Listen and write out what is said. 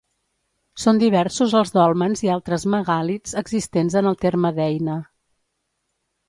Són diversos els dòlmens i altres megàlits existents en el terme d'Eina.